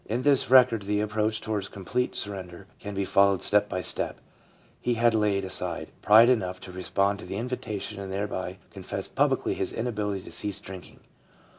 In this record the approach towards complete surrender can be followed step by step. He had laid aside pride enough to respond to the invitation and thereby con fess publicly his inability to cease drinking.